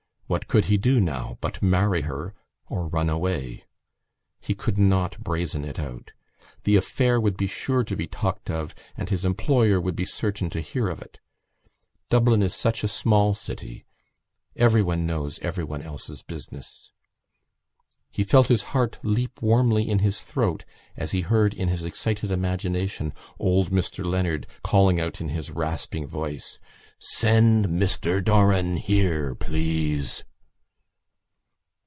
What could he do now but marry her or run away? He could not brazen it out. The affair would be sure to be talked of and his employer would be certain to hear of it. Dublin is such a small city: everyone knows everyone else's business. He felt his heart leap warmly in his throat as he heard in his excited imagination old Mr Leonard calling out in his rasping voice: "Send Mr Doran here, please."